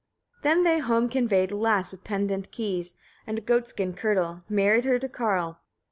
20. Then they home conveyed a lass with pendent keys, and goatskin kirtle; married her to Karl.